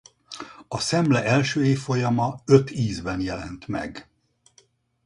A Szemle első évfolyama öt ízben jelent meg.